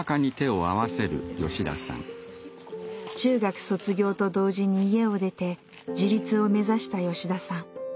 中学卒業と同時に家を出て自立を目指した吉田さん。